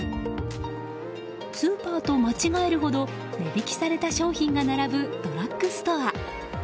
スーパーと間違えるほど値引きされた商品が並ぶドラッグストア。